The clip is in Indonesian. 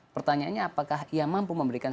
pertanyaannya apakah ia mampu memberikan